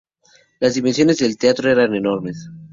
Las dimensiones del teatro eran enormes.